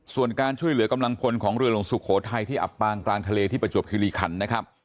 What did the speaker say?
ส่วนการช่วยเหลือกำลังพลของเรือหลวงสุโขทัยที่อับปางกลางทะเลที่ประจวบคิริขันนะครับ